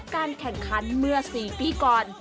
การแข่งขันเมื่อ๔ปีก่อน